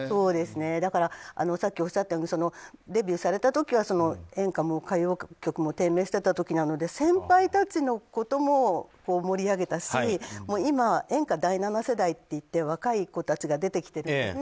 だからさっきおっしゃったようにデビューされた時は演歌も歌謡曲も低迷していた時なので先輩たちのことも盛り上げたし今、演歌第７世代といって若い子たちが出てきていて。